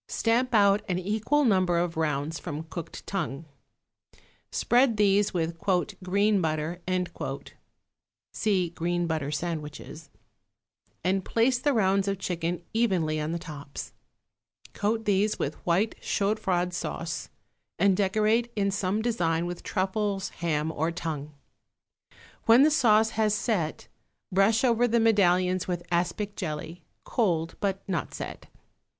Stamp out an equal number of rounds from cooked tongue. Spread these with "green butter" (see Green Butter Sandwiches) and place the rounds of chicken evenly on the tops. Coat these with white chaud froid sauce and decorate in some design with truffles, ham or tongue. When the sauce has set, brush over the medallions with aspic jelly, cold but not set.